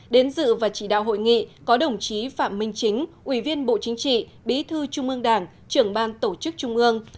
đến dự và chỉ đạo hội nghị có đồng chí phạm minh chính ủy viên bộ chính trị bí thư trung ương đảng trưởng ban tổ chức trung ương